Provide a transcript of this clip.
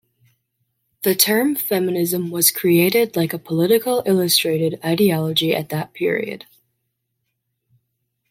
The term Feminism was created like a political illustrated ideology at that period.